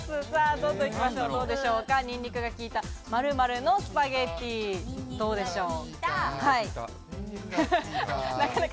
どんどん行きましょう、ニンニクが効いた○○のスパゲティ、どうでしょう？